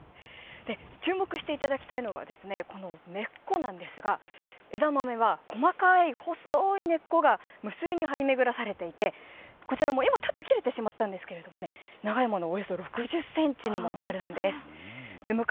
注目していただきたいのは、この根っこなんですが、枝豆は細かい細い根っこが無数に張り巡らされていて、こちらも今、ちょっと切れてしまったんですけれどもね、長いもの、およそ６０センチにもなるんです。